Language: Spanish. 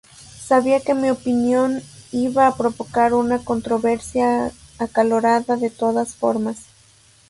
Sabía que mi opinión iba a provocar una controversia acalorada de todas formas".